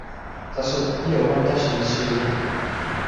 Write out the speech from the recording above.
taso ijo wan taso li suli a.